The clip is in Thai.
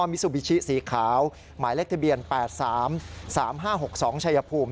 มิซูบิชิสีขาวหมายเลขทะเบียน๘๓๓๕๖๒ชัยภูมิ